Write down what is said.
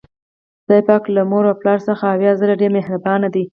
خدای پاک له مور او پلار څخه اویا ځلې ډیر مهربان ده